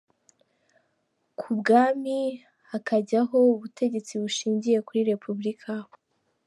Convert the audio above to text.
k’ubwami hakajyaho ubutegetsi bushingiye kuri Repubulika.